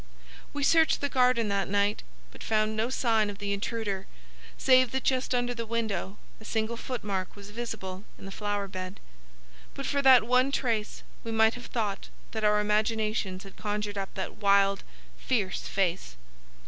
"We searched the garden that night, but found no sign of the intruder, save that just under the window a single footmark was visible in the flower bed. But for that one trace, we might have thought that our imaginations had conjured up that wild, fierce face.